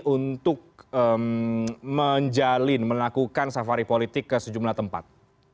untuk menjalin melakukan safari politik ke sejumlah tempat